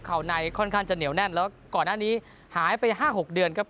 ในค่อนข้างจะเหนียวแน่นแล้วก่อนหน้านี้หายไป๕๖เดือนครับ